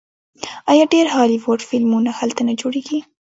آیا ډیر هالیوډ فلمونه هلته نه جوړیږي؟